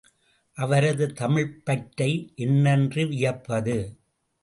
அவரது தமிழ்ப்பற்றை என்னென்று வியப்பது!